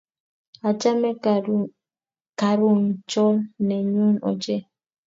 Achame karuchon ne nyun ochei